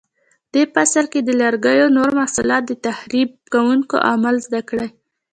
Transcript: په دې فصل کې د لرګیو نور محصولات او تخریب کوونکي عوامل زده کړئ.